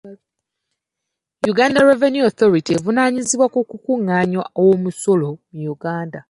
Uganda Revenue Authority evunaanyizibwa ku kukungaanya omusolo mu Uganda.